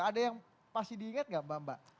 ada yang pasti diinget gak mbak mbak